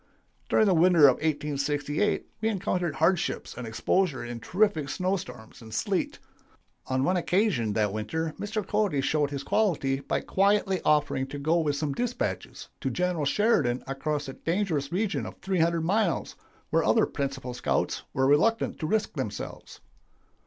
"During the winter of 1868 we encountered hardships and exposure in terrific snow storms and sleet. On one occasion that winter Mr. Cody showed his quality by quietly offering to go with some dispatches to General Sheridan across a dangerous region of 300 miles where other principal scouts were reluctant to risk themselves.